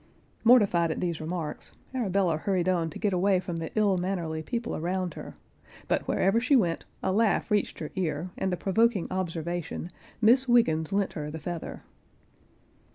Mortified at these remarks, Arabella hurried on to get away from the ill mannerly people around her; but wherever she went, a laugh reached her ear, and the provoking observation, "Miss Wiggens lent her the feather."